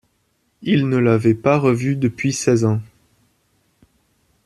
Il ne l'avait pas revue depuis seize ans.